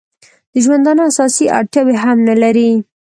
د ژوندانه اساسي اړتیاوې هم نه لري.